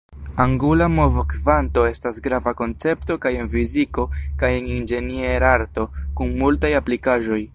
Angula movokvanto estas grava koncepto kaj en fiziko kaj en inĝenierarto, kun multaj aplikaĵoj.